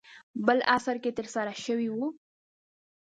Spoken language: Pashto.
بل عصر کې ترسره شوی و.